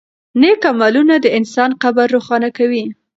نېک عملونه د انسان قبر روښانه کوي.